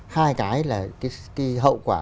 hai cái là cái hậu quả